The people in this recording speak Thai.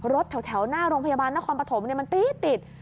รถแถวหน้าโรงพยาบาลนครปฐมมันตี๊ดติด